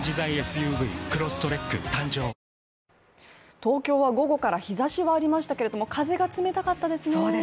東京は午後から日ざしはありましたけれども風が冷たかったですね。